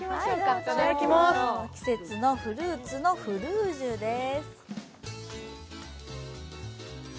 季節のフルーツのフルージュです。